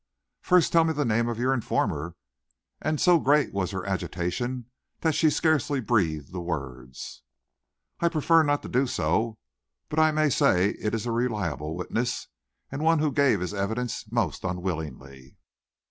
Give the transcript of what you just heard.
"First tell me the name of your informer;" and so great was her agitation that she scarcely breathed the words. "I prefer not to do so, but I may say it is a reliable witness and one who gave his evidence most unwillingly."